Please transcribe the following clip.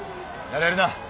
やれるな。